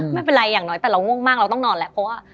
ไม่เป็นไรอย่างน้อยแต่เราง่วงมากเราต้องนอนแล้วเพราะว่า